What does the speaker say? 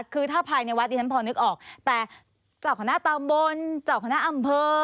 คือถ้าภายในวัดดิฉันพอนึกออกแต่เจ้าคณะตำบลเจ้าคณะอำเภอ